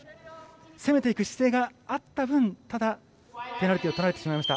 攻めていく姿勢があった分ペナルティーをとられてしまいました。